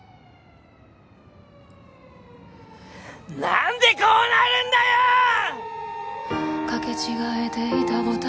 何でこうなるんだよーっ！